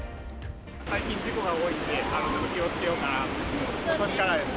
最近、事故が多いんで、ちょっと気をつけようかなと思って、ことしから。